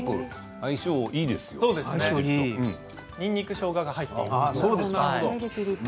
にんにくとしょうがが入っています。